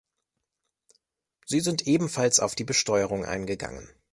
Sie sind ebenfalls auf die Besteuerung eingegangen.